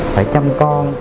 phải chăm con